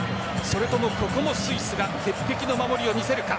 それともここもスイスが鉄壁の守りを見せるか。